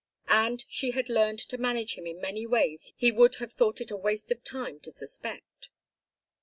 And she had learned to manage him in many ways he would have thought it a waste of time to suspect.